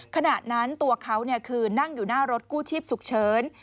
ขณะนั้นตัวเขาคือนั่งอยู่หน้ารถกู้ชีพฉุกเฉิน